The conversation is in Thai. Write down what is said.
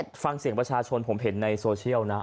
ฟังเสียงประชาชนผมเห็นในโซเชียลนะ